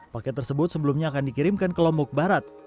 paket tersebut sebelumnya akan dikirimkan ke lombok barat